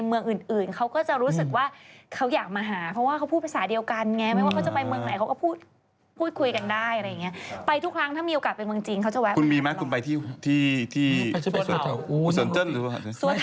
คุณก็รู้อยู่ว่าฉันเป็นคนที่ไม่ได้อินกับเทศพระเจ้าจีนนะเว้ย